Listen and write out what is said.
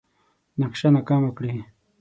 نقشه ناکامه کړي.